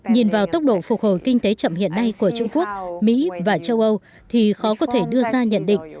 nhìn vào tốc độ phục hồi kinh tế chậm hiện nay của trung quốc mỹ và châu âu thì khó có thể đưa ra nhận định